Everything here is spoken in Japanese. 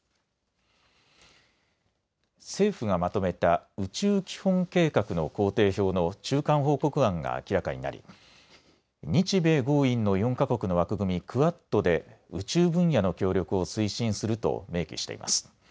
政府がまとめた宇宙基本計画の工程表の中間報告案が明らかになり日米豪印の４か国の枠組み、クアッドで宇宙分野の協力を推進すると明記しています。